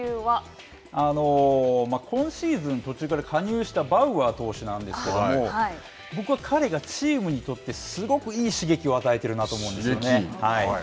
今シーズン途中から加入したバウアー投手なんですけども、僕は彼がチームにとってすごくいい刺激を与えているなと思うんですね。